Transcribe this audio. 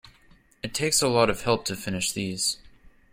It takes a lot of help to finish these.